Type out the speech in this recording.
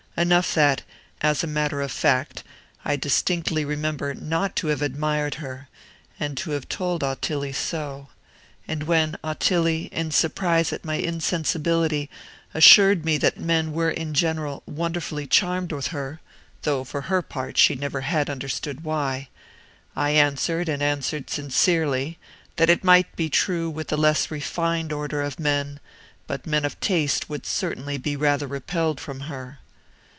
Enough that, as a matter of fact, I distinctly remember not to have admired her, and to have told Ottilie so; and when Ottilie, in surprise at my insensibility, assured me that men were in general wonderfully charmed with her (though, for her part, she had never understood why), I answered, and answered sincerely, that it might be true with the less refined order of men, but men of taste would certainly be rather repelled from her.